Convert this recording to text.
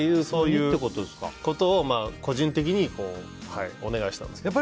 そういうことを個人的にお願いしたんです。